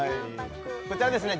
こちらですね